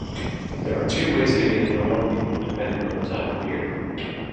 There are two ways to get to Lundy, depending on the time of year.